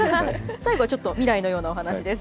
最後、ちょっと未来のようなお話です。